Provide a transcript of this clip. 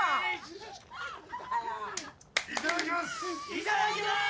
いただきます！